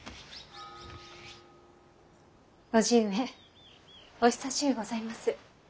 叔父上お久しゅうございます。